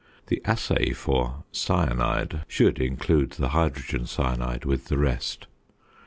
The assay for "cyanide" should include the hydrogen cyanide with the rest.